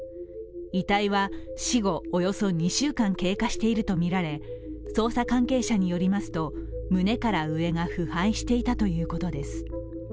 遺体は死後およそ２週間経過しているとみられ捜査関係者によりますと、胸から上が腐敗していたということです。